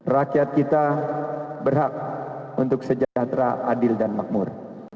rakyat kita berhak untuk sejahtera adil dan makmur